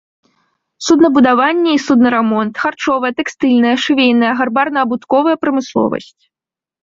Суднабудаванне і суднарамонт, харчовая, тэкстыльная, швейная, гарбарна-абутковая прамысловасць.